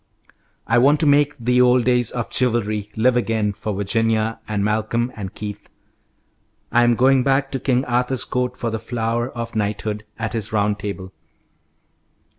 "I want to make the old days of chivalry live again for Virginia and Malcolm and Keith. I am going back to King Arthur's Court for the flower of knighthood at his round table.